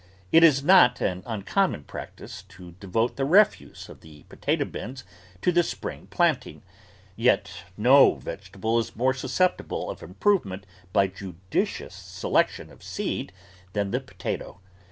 It is not an un common practice to devote the refuse of the po tato bins to the spring planting; yet no vegetable is more susceptible of improvement b}^ judicious selection of seed than the potato.